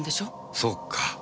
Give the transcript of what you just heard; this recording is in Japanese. そうか。